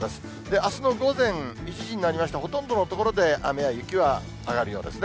あすの午前１時になりまして、ほとんどの所で雨や雪は上がるようですね。